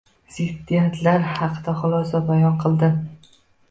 Ziddiyatlar haqida xulosani bayon qildi